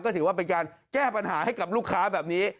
ก็ถือว่าเป็นการแก้ปัญหาให้กับลูกค้าแบบนี้